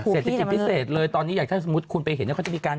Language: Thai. เศรษฐกิจพิเศษเลยตอนนี้อยากถ้าสมมติคุณไปเห็น